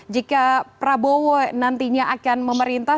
jika prabowo nantinya akan memerintah